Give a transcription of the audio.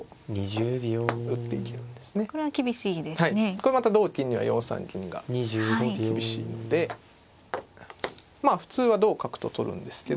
これまた同金には４三銀が厳しいのでまあ普通は同角と取るんですけど。